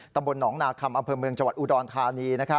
ตำบลหนองนาคมอำเภอเมืองจังหวัดอุดรธานี